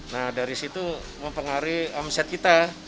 nah dari situ mempengaruhi omset kita